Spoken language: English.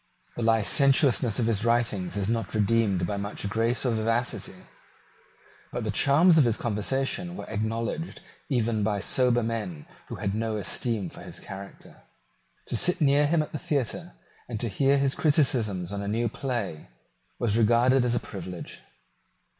The licentiousness of his writings is not redeemed by much grace or vivacity; but the charms of his conversation were acknowledged even by sober men who had no esteem for his character. To sit near him at the theatre, and to hear his criticisms on a new play, was regarded as a privilege.